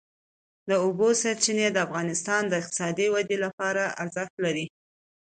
د اوبو سرچینې د افغانستان د اقتصادي ودې لپاره ارزښت لري.